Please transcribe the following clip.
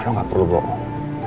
lo gak perlu bohong